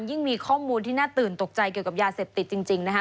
ยิ่งมีข้อมูลที่น่าตื่นตกใจเกี่ยวกับยาเสพติดจริงนะคะ